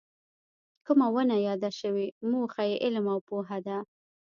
کومه ونه یاده شوې موخه یې علم او پوهه ده.